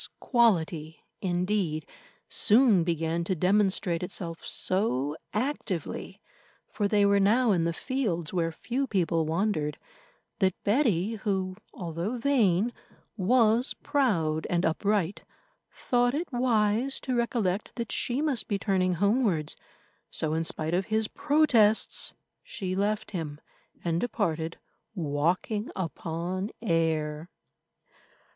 This quality, indeed, soon began to demonstrate itself so actively, for they were now in the fields where few people wandered, that Betty, who although vain was proud and upright, thought it wise to recollect that she must be turning homewards. So, in spite of his protests, she left him and departed, walking upon air.